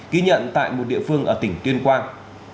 ghi nhận tại một địa phương ở tỉnh tuyên quang